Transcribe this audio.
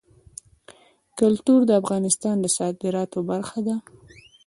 کلتور د افغانستان د صادراتو برخه ده.